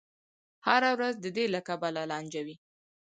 هره ورځ دې له کبله لانجه وي.